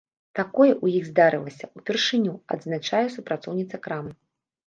Такое ў іх здарылася ўпершыню, адзначае супрацоўніца крамы.